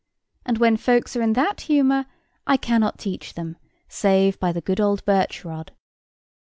And, when folks are in that humour, I cannot teach them, save by the good old birch rod."